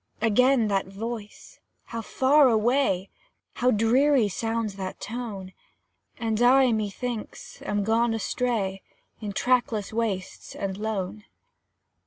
Again that voice how far away, How dreary sounds that tone! And I, methinks, am gone astray In trackless wastes and lone.